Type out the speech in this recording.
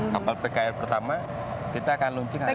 kapal pkr pertama kita akan launching hari ini